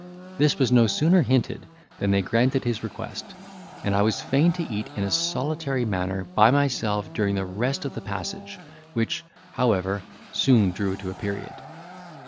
This was no sooner hinted, than they granted his request; and I was fain to eat in a solitary manner by myself during the rest of the passage, which, however, soon drew to a period.